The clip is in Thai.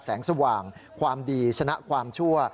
แสงสว่างความดีชนะความชั่ว